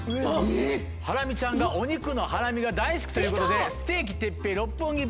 ハラミちゃんがお肉のハラミが大好きということで。